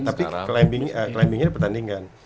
tapi climbingnya di pertandingan